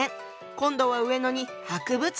今度は上野に博物館が。